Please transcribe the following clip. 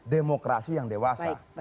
demokrasi yang dewasa